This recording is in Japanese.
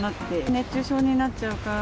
熱中症になっちゃうから。